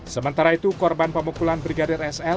sementara itu korban pemukulan brigadir sl